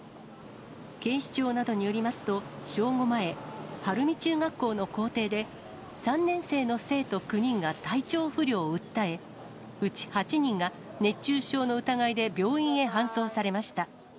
警視庁などによりますと、正午前、晴海中学校の校庭で、３年生の生徒９人が体調不良を訴え、うち８人が熱中症の疑いで病院へ搬送されました。